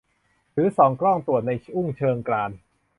หรือส่องกล้องตรวจในอุ้งเชิงกราน